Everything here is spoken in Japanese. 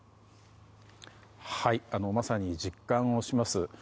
まさに実感をします。